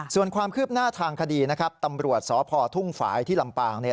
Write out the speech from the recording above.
ส่วนความคืบหน้าทางคดีนะครับตำรวจสพทุ่งฝ่ายที่ลำปางเนี่ย